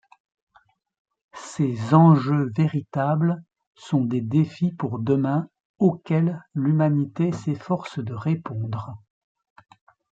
Ces enjeux véritables sont des défis pour demain auxquels l’humanité s’efforce de répondre.